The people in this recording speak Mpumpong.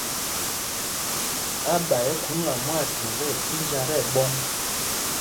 Áɓa ɛ́ ɛ́ khúŋa mwâthɛmb ɛ pínjá tí ɛɓɔ̄ŋ.